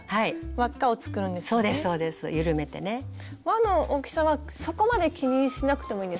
輪の大きさはそこまで気にしなくてもいいんですか？